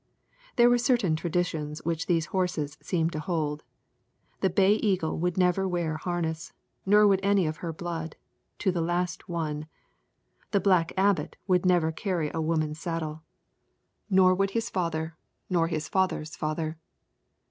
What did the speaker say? There were certain traditions which these horses seemed to hold. The Bay Eagle would never wear harness, nor would any of her blood, to the last one. The Black Abbot would never carry a woman's saddle, nor would his father nor his father's father.